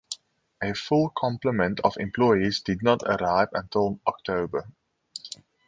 A full complement of employees did not arrive until October.